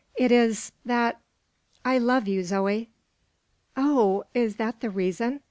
It is, that I love you, Zoe!" "Oh! is that the reason?